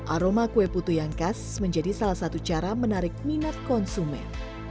aroma kue putu yang khas menjadi salah satu cara menarik minat konsumen